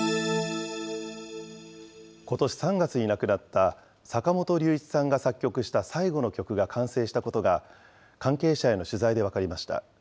ことし３月に亡くなった坂本龍一さんが作曲した最後の曲が完成したことが、関係者への取材で分かりました。